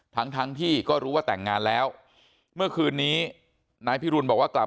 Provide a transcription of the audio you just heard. ทั้งทั้งที่ก็รู้ว่าแต่งงานแล้วเมื่อคืนนี้นายพิรุณบอกว่ากลับ